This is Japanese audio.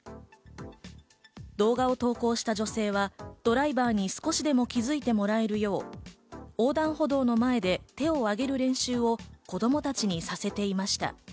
動画を投稿した女性はドライバーに少しでも気づいてもらえるよう、横断歩道の前で手を上げる練習を子供たちにさせていました。